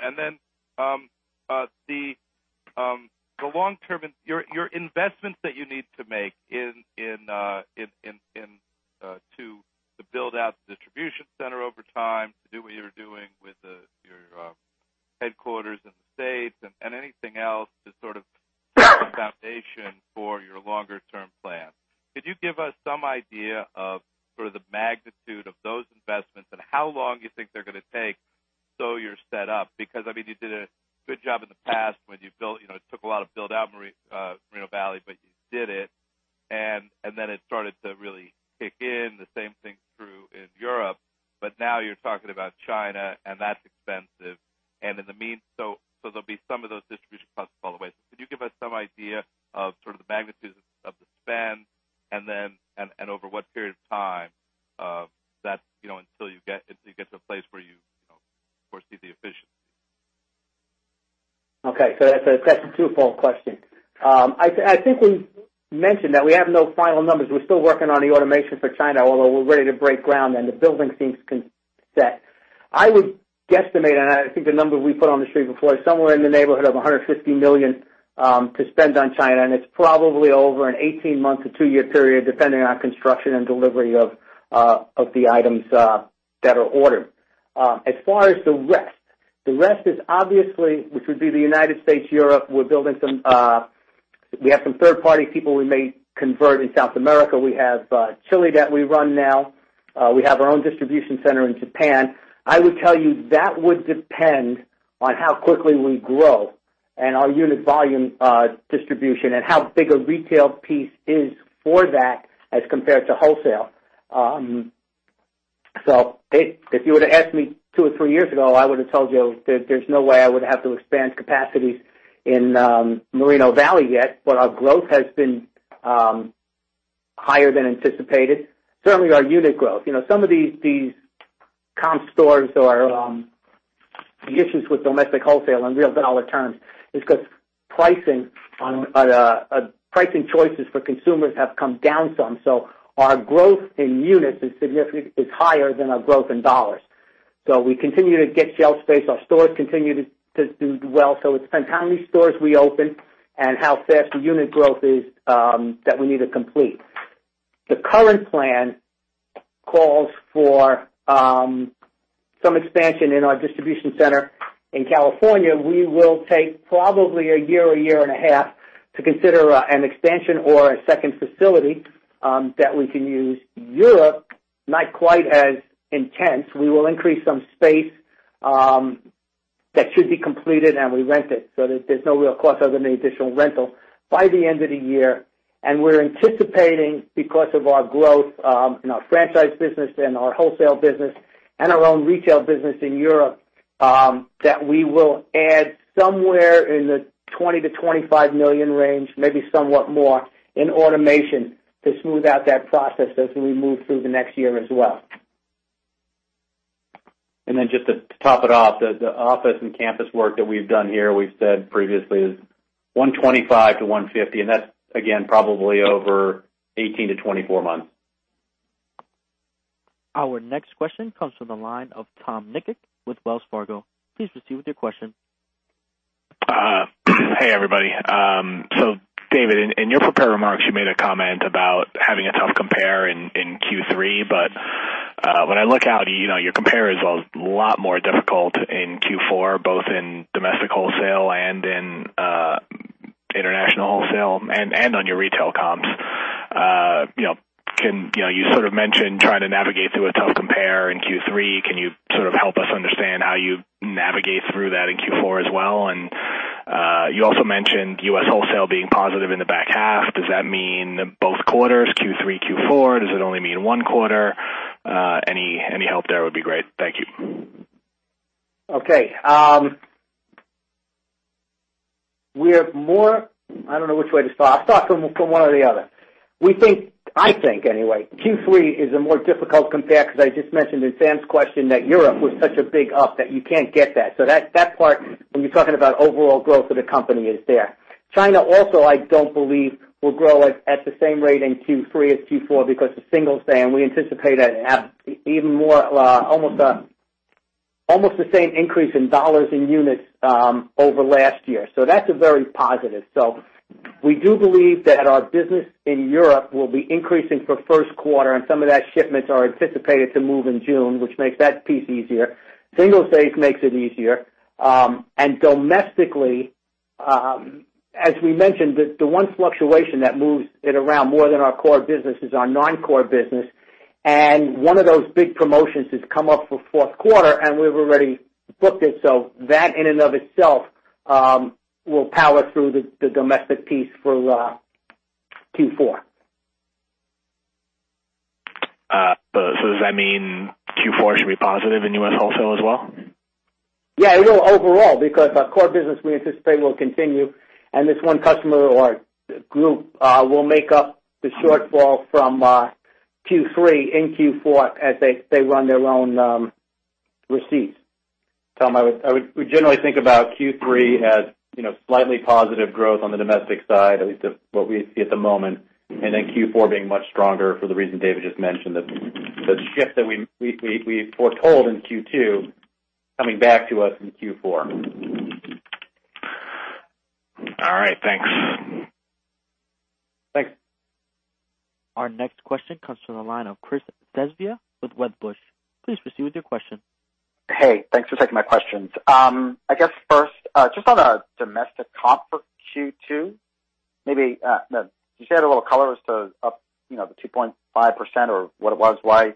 Your investments that you need to make to To build out the distribution center over time, to do what you're doing with your headquarters in the U.S. and anything else to sort of set the foundation for your longer-term plan. Could you give us some idea of the magnitude of those investments and how long you think they're going to take till you're set up? You did a good job in the past. It took a lot to build out Moreno Valley, but you did it, and then it started to really kick in. The same thing is true in Europe, but now you're talking about China, and that's expensive. There'll be some of those distribution costs along the way. Could you give us some idea of the magnitude of the spend and over what period of time until you get to a place where you foresee the efficiency? Okay. That's a two-fold question. I think we mentioned that we have no final numbers. We're still working on the automation for China, although we're ready to break ground, and the building seems set. I would guesstimate, and I think the number we put on the street before is somewhere in the neighborhood of $150 million to spend on China, and it's probably over an 18-month to two-year period, depending on construction and delivery of the items that are ordered. As far as the rest, the rest is obviously, which would be the U.S., Europe. We have some third-party people we may convert in South America. We have Chile that we run now. We have our own distribution center in Japan. I would tell you that would depend on how quickly we grow and our unit volume distribution and how big a retail piece is for that as compared to wholesale. If you were to ask me two or three years ago, I would have told you that there's no way I would have to expand capacity in Moreno Valley yet, but our growth has been higher than anticipated. Certainly, our unit growth. Some of these comp stores or the issues with domestic wholesale in real dollar terms is because pricing choices for consumers have come down some. Our growth in units is higher than our growth in dollars. We continue to get shelf space. Our stores continue to do well. It depends how many stores we open and how fast the unit growth is that we need to complete. The current plan calls for some expansion in our distribution center in California. We will take probably a year or a year and a half to consider an extension or a second facility that we can use. Europe, not quite as intense. We will increase some space that should be completed, and we rent it, so there's no real cost other than the additional rental, by the end of the year. We're anticipating, because of our growth in our franchise business and our wholesale business and our own retail business in Europe, that we will add somewhere in the $20 million-$25 million range, maybe somewhat more, in automation to smooth out that process as we move through the next year as well. Just to top it off, the office and campus work that we've done here, we've said previously, is $125 million-$150 million, and that's again, probably over 18 to 24 months. Our next question comes from the line of Tom Nikic with Wells Fargo. Please proceed with your question. Hey, everybody. David, in your prepared remarks, you made a comment about having a tough compare in Q3, when I look out, your compare is a lot more difficult in Q4, both in domestic wholesale and in international wholesale and on your retail comps. You sort of mentioned trying to navigate through a tough compare in Q3. Can you sort of help us understand how you navigate through that in Q4 as well? You also mentioned U.S. wholesale being positive in the back half. Does that mean both quarters, Q3, Q4? Does it only mean one quarter? Any help there would be great. Thank you. Okay. I don't know which way to start. I'll start from one or the other. I think, anyway, Q3 is a more difficult compare because I just mentioned in Sam's question that Europe was such a big up that you can't get that. That part, when you're talking about overall growth of the company, is there. China also, I don't believe, will grow at the same rate in Q3 as Q4 because of Singles' Day, and we anticipate an even more, almost the same increase in dollars in units over last year. That's very positive. We do believe that our business in Europe will be increasing for the first quarter, and some of those shipments are anticipated to move in June, which makes that piece easier. Singles' Day makes it easier. Domestically, as we mentioned, the one fluctuation that moves it around more than our core business is our non-core business. One of those big promotions has come up for the fourth quarter, and we've already booked it. That in and of itself will power through the domestic piece through Q4. Does that mean Q4 should be positive in U.S. wholesale as well? Yeah, it will overall because our core business, we anticipate, will continue, and this one customer or group will make up the shortfall from Q3 and Q4 as they run their own receipts. Tom, we generally think about Q3 as slightly positive growth on the domestic side, at least what we see at the moment, and then Q4 being much stronger for the reason David just mentioned, the shift that we foretold in Q2 coming back to us in Q4. All right. Thanks. Thanks. Our next question comes from the line of Chris Svezia with Wedbush. Please proceed with your question. Hey, thanks for taking my questions. I guess first, just on a domestic comp for Q2. Maybe can you share a little color as to up the 2.5% or what it was. Was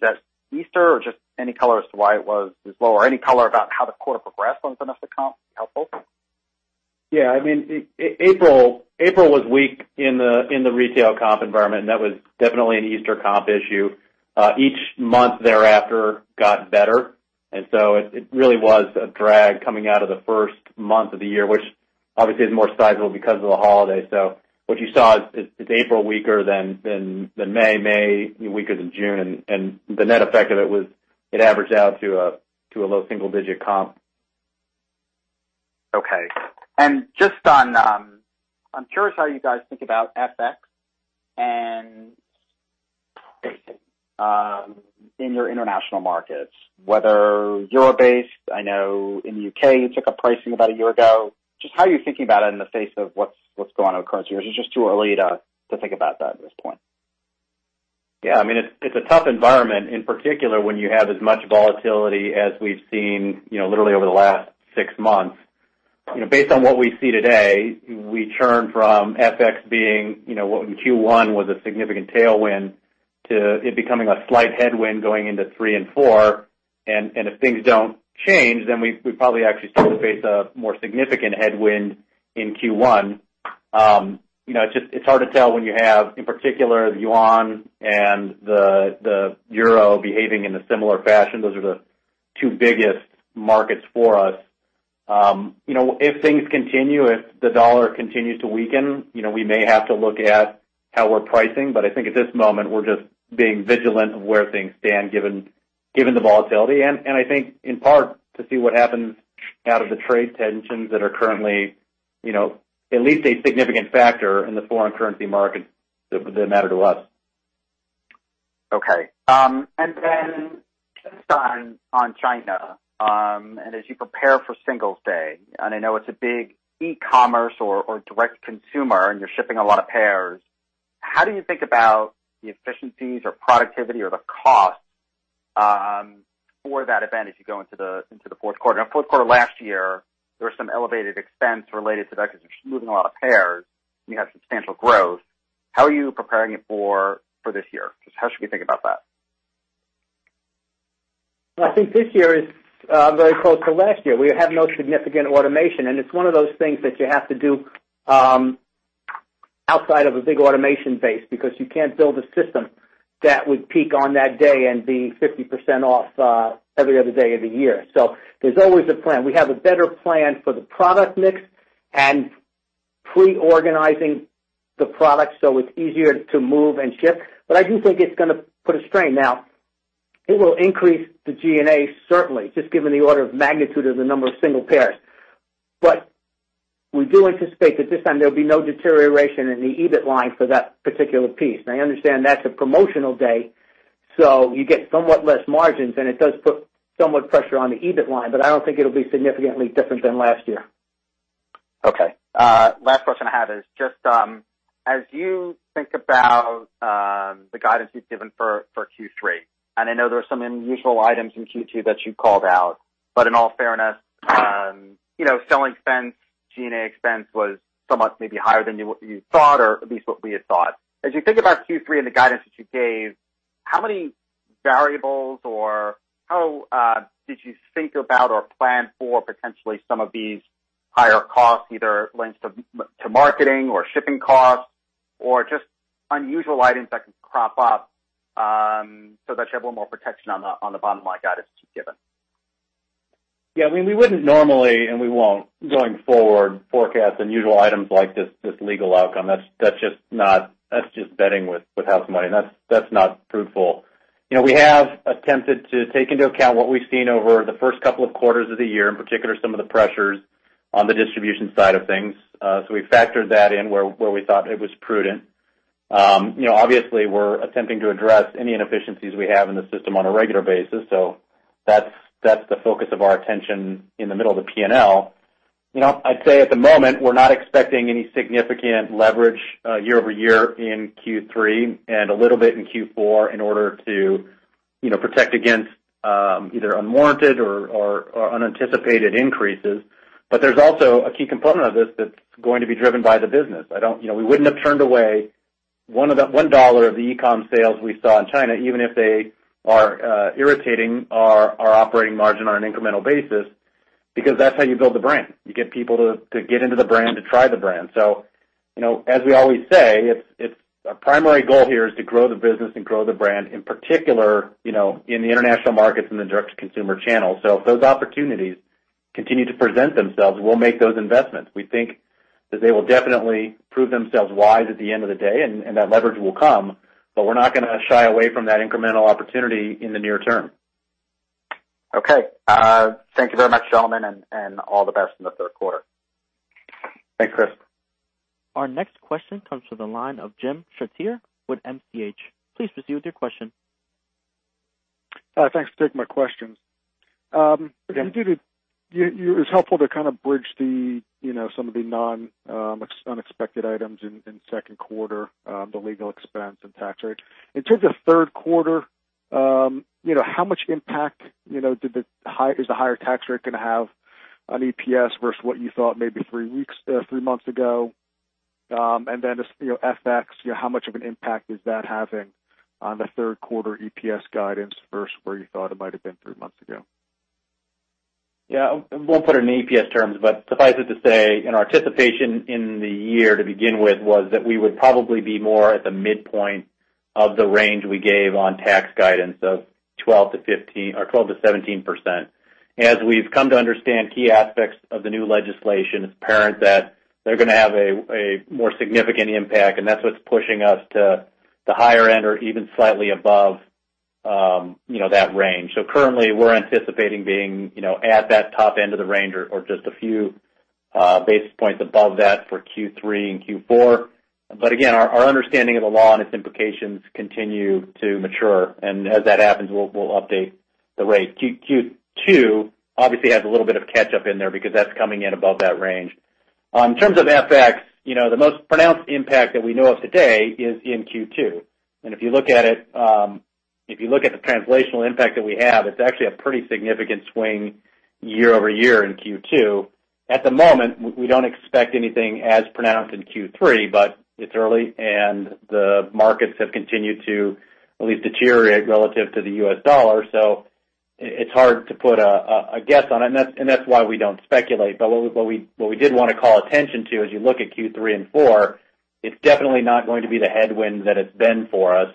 that Easter or just any color as to why it was this low or any color about how the quarter progressed on domestic comp, helpful? Yeah, April was weak in the retail comp environment, that was definitely an Easter comp issue. Each month thereafter got better, it really was a drag coming out of the first month of the year, which obviously is more sizable because of the holiday. What you saw is April weaker than May. May weaker than June, the net effect of it was it averaged out to a low single-digit comp. Okay. I'm curious how you guys think about FX and pricing in your international markets, whether euro-based. I know in the U.K. you took a pricing about a year ago. Just how are you thinking about it in the face of what's going on with currency, is it just too early to think about that at this point? Yeah. It's a tough environment, in particular, when you have as much volatility as we've seen literally over the last six months. Based on what we see today, we churn from FX being what in Q1 was a significant tailwind to it becoming a slight headwind going into three and four. If things don't change, we probably actually still face a more significant headwind in Q1. It's hard to tell when you have, in particular, the yuan and the euro behaving in a similar fashion. Those are the two biggest markets for us. If things continue, if the dollar continues to weaken, we may have to look at how we're pricing. I think at this moment, we're just being vigilant of where things stand given the volatility, and I think, in part, to see what happens out of the trade tensions that are currently at least a significant factor in the foreign currency market that matter to us. Okay. Just on China, as you prepare for Singles' Day, I know it's a big e-commerce or direct-to-consumer, and you're shipping a lot of pairs, how do you think about the efficiencies or productivity or the cost for that event as you go into the fourth quarter? Fourth quarter last year, there was some elevated expense related to that because you're moving a lot of pairs and you have substantial growth. How are you preparing it for this year? Just how should we think about that? Well, I think this year is very close to last year. We have no significant automation, and it's one of those things that you have to do outside of a big automation base because you can't build a system that would peak on that day and be 50% off every other day of the year. There's always a plan. We have a better plan for the product mix and pre-organizing the product so it's easier to move and ship. I do think it's going to put a strain. It will increase the G&A certainly, just given the order of magnitude of the number of single pairs. We do anticipate that this time there'll be no deterioration in the EBIT line for that particular piece. I understand that's a promotional day, so you get somewhat less margins, it does put somewhat pressure on the EBIT line, I don't think it'll be significantly different than last year. Okay. Last question I have is just as you think about the guidance you've given for Q3, I know there were some unusual items in Q2 that you called out, in all fairness, sell expense, G&A expense was somewhat maybe higher than you thought, or at least what we had thought. As you think about Q3 and the guidance that you gave, how many variables, or how did you think about or plan for potentially some of these higher costs, either linked to marketing or shipping costs or just unusual items that can crop up, so that you have a little more protection on the bottom line guidance you've given? Yeah. We wouldn't normally, and we won't going forward, forecast unusual items like this legal outcome. That's just betting with house money, and that's not fruitful. We have attempted to take into account what we've seen over the first couple of quarters of the year, in particular, some of the pressures on the distribution side of things. We factored that in where we thought it was prudent. Obviously, we're attempting to address any inefficiencies we have in the system on a regular basis, so that's the focus of our attention in the middle of the P&L. I'd say at the moment, we're not expecting any significant leverage year-over-year in Q3 and a little bit in Q4 in order to protect against either unwarranted or unanticipated increases. There's also a key component of this that's going to be driven by the business. We wouldn't have turned away $1 of the e-com sales we saw in China, even if they are irritating our operating margin on an incremental basis, because that's how you build the brand. You get people to get into the brand, to try the brand. As we always say, our primary goal here is to grow the business and grow the brand, in particular, in the international markets and the direct-to-consumer channel. If those opportunities continue to present themselves, we'll make those investments. We think that they will definitely prove themselves wise at the end of the day, and that leverage will come, but we're not going to shy away from that incremental opportunity in the near term. Okay. Thank you very much, gentlemen, and all the best in the third quarter. Thanks, Chris. Our next question comes from the line of Jim Chartier with MCH. Please proceed with your question. Thanks for taking my questions. Yeah. It was helpful to kind of bridge some of the unexpected items in second quarter, the legal expense and tax rate. In terms of third quarter, how much impact is the higher tax rate going to have on EPS versus what you thought maybe three months ago? FX, how much of an impact is that having on the third quarter EPS guidance versus where you thought it might've been three months ago? Yeah. I won't put it in EPS terms, but suffice it to say, in our anticipation in the year to begin with, was that we would probably be more at the midpoint of the range we gave on tax guidance of 12%-17%. As we've come to understand key aspects of the new legislation, it's apparent that they're going to have a more significant impact, and that's what's pushing us to the higher end or even slightly above that range. Currently, we're anticipating being at that top end of the range or just a few basis points above that for Q3 and Q4. Again, our understanding of the law and its implications continue to mature. As that happens, we'll update the rate. Q2 obviously has a little bit of catch-up in there because that's coming in above that range. In terms of FX, the most pronounced impact that we know of today is in Q2. If you look at the translational impact that we have, it's actually a pretty significant swing year-over-year in Q2. At the moment, we don't expect anything as pronounced in Q3, but it's early, and the markets have continued to at least deteriorate relative to the U.S. dollar. It's hard to put a guess on it, and that's why we don't speculate. What we did want to call attention to, as you look at Q3 and four, it's definitely not going to be the headwind that it's been for us.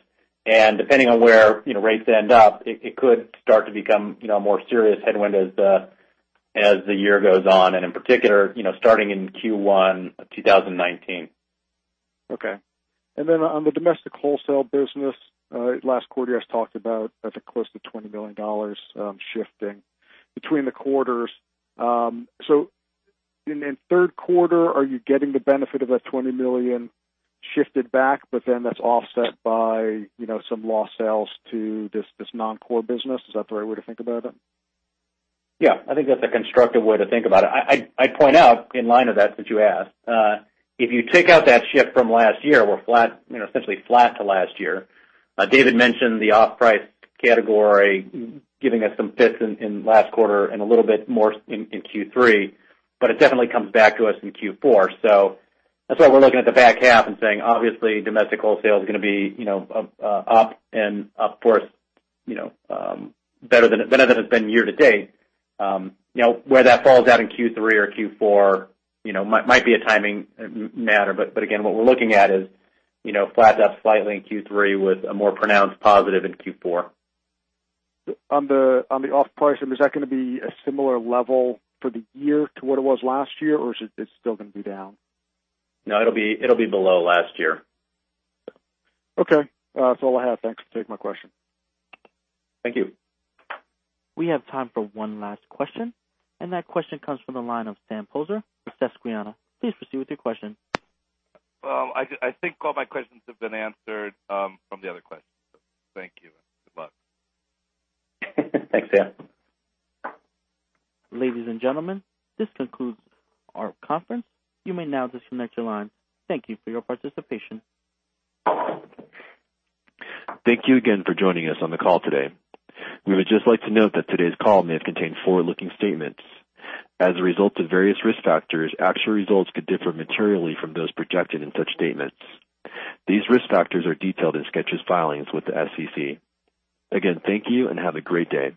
Depending on where rates end up, it could start to become a more serious headwind as the year goes on. In particular, starting in Q1 2019. Okay. On the domestic wholesale business, last quarter, you guys talked about up close to $20 million shifting between the quarters. In third quarter, are you getting the benefit of that $20 million shifted back, but then that's offset by some lost sales to this non-core business? Is that the right way to think about it? I think that's a constructive way to think about it. I'd point out in line of that you asked. If you take out that shift from last year, we're essentially flat to last year. David mentioned the off-price category giving us some fits in last quarter and a little bit more in Q3, but it definitely comes back to us in Q4. That's why we're looking at the back half and saying, obviously, domestic wholesale is going to be up and up, of course, better than it's been year to date. Where that falls out in Q3 or Q4 might be a timing matter. Again, what we're looking at is flat to up slightly in Q3 with a more pronounced positive in Q4. On the off-price, is that going to be a similar level for the year to what it was last year, or is it still going to be down? No, it'll be below last year. Okay. That's all I have. Thanks for taking my question. Thank you. We have time for one last question, and that question comes from the line of Sam Poser with Susquehanna. Please proceed with your question. Well, I think all my questions have been answered from the other questions. Thank you and good luck. Thanks, Sam. Ladies and gentlemen, this concludes our conference. You may now disconnect your line. Thank you for your participation. Thank you again for joining us on the call today. We would just like to note that today's call may have contained forward-looking statements. As a result of various risk factors, actual results could differ materially from those projected in such statements. These risk factors are detailed in Skechers' filings with the SEC. Again, thank you and have a great day.